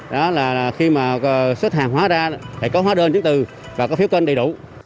đó là khi mà xuất hàng hóa ra phải có hóa đơn chứng từ và có phiếu kênh đầy đủ